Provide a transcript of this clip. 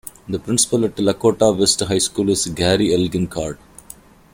The principal at Lakota West High School is Gary Elgin Card.